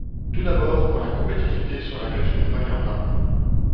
Tout d’abord, pour la compétitivité sur laquelle je ne reviens pas.